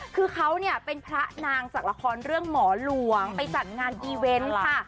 คือเขาเนี่ยเป็นพระนางจากละครเรื่องหมอหลวงไปจัดงานอีเวนต์ค่ะ